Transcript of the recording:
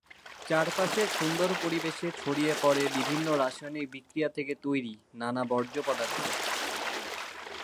চারপাশের সুন্দর পরিবেশে ছড়িয়ে পরে বিভিন্ন রাসায়নিক বিক্রিয়া থেকে তৈরি নানা বর্জ্য পদার্থ।